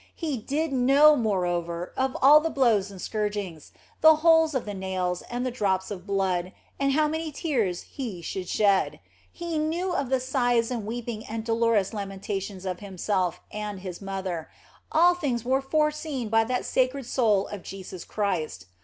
He did know, moreover, of all the blows and scourgings, the holes of the nails and the drops of blood, and how many tears He should shed ; He knew of the sighs and weeping and dolorous lamentations of Himself and His mother ; all things were foreseen by that sacred soul of Jesus Christ.